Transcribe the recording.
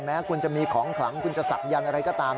แม้คุณจะมีของขลังคุณจะศักยันต์อะไรก็ตาม